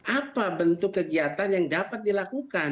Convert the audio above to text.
apa bentuk kegiatan yang dapat dilakukan